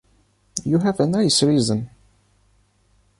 You have a nice reason! ...